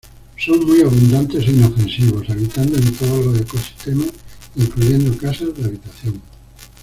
Son muy abundantes e inofensivos, habitando en todos los ecosistemas, incluyendo casas de habitación.